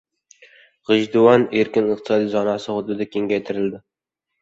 «G‘ijduvon» erkin iqtisodiy zonasi hududi kengaytirildi